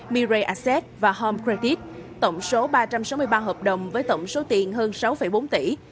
mirai asset và home credit tổng số ba trăm sáu mươi ba hợp đồng với tổng số tiền hơn sáu bốn tỷ